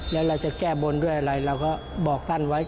แล้วเราจะแก้บนด้วยอะไรเราก็บอกท่านไว้